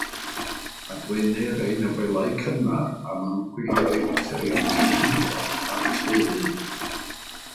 Adwaenir ei nofelau cynnar am ymchwilio i faterion llencyndod a'r teulu.